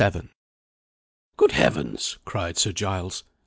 VII "GOOD Heavens!" cried Sir Giles.